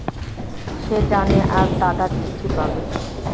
সে জানে আজ দাদার চিঠি পাবে।